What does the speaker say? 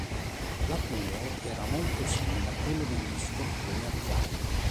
L'aculeo era molto simile a quello degli scorpioni attuali.